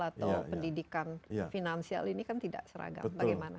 atau pendidikan finansial ini kan tidak seragam bagaimana